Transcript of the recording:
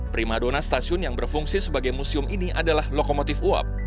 primadona stasiun yang berfungsi sebagai museum ini adalah lokomotif uap